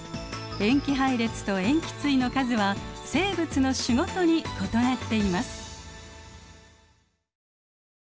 塩基配列と塩基対の数は生物の種ごとに異なっています。